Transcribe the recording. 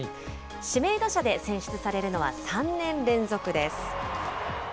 指名打者で選出されるのは３年連続です。